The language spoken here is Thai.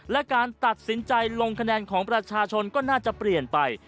และการตัดสินใจลงคะแนนของประชาชนก็น่าจะเปลี่ยนไป